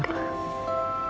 tunggu dokter mau kesana apa